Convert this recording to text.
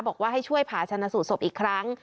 บอกว่าให้ช่วยผ่าชนะสูตรศพอีกครั้ง